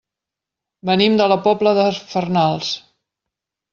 Venim de la Pobla de Farnals.